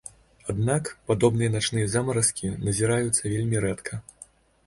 Аднак падобныя начныя замаразкі назіраюцца вельмі рэдка.